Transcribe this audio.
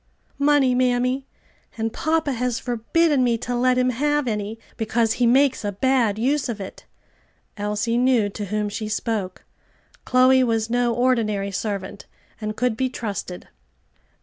"Money, mammy, and papa has forbidden me to let him have any, because he makes a bad use of it." Elsie knew to whom she spoke. Chloe was no ordinary servant, and could be trusted.